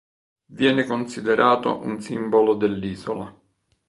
Viene considerato un simbolo dell'isola.